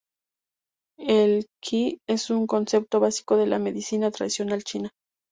El qì 气 es un concepto básico de la medicina tradicional china.